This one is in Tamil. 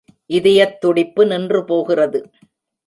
இதயத் துடிப்பு நின்று போகிறது.